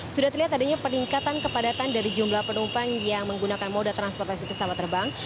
sudah terlihat adanya peningkatan kepadatan dari jumlah penumpang yang menggunakan moda transportasi pesawat terbang